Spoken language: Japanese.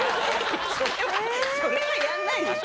それはやらないでしょ！